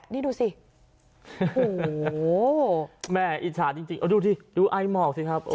นี่ดูสิโอ้โหแม่อิจฉาจริงเอาดูดิดูไอหมอกสิครับ